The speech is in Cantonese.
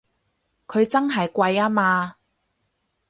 佢真係貴吖嘛！